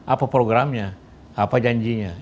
apa programnya apa janjinya